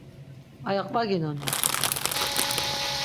Aya qvaginoni?